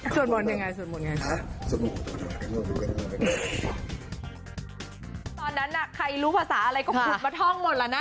ตอนนั้นใครรู้ภาษาอะไรก็พูดมาท่องหมดร้ะนะ